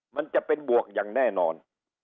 มันจะเป็นบวกอย่างแน่นอน